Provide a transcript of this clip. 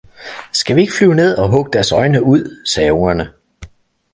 Skal vi ikke flyve ned og hugge deres øjne ud? sagde ungerne.